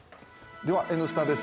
では「Ｎスタ」です。